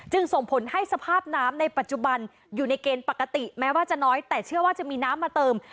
ส่งผลให้สภาพน้ำในปัจจุบันอยู่ในเกณฑ์ปกติแม้ว่าจะน้อยแต่เชื่อว่าจะมีน้ำมาเติม